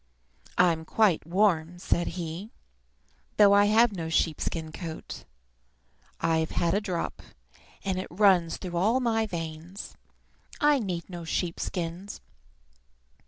I "I'm quite warm," said he, "though I have no sheep skin coat. I've had a drop, and it runs through all my veins. I need no sheep skins.